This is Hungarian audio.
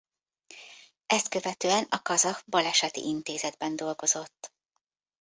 Ezt követően a Kazah Baleseti Intézetben dolgozott.